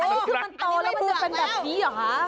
คือมันโตแล้วมันจะเป็นแบบนี้หรอ